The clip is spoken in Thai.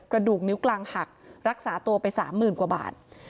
กระดูกนิ้วกลางหักรักษาตัวไป๓๐๐๐กว่าบาท